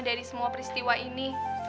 dari semua peristiwa ini